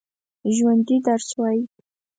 ژوندي درس وايي